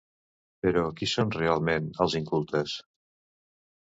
Però qui són, realment, els incultes?